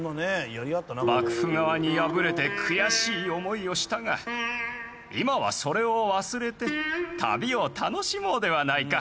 幕府側に敗れて悔しい思いをしたが今はそれを忘れて旅を楽しもうではないか。